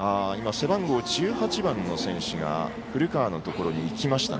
背番号１８番の選手が古川のところに行きました。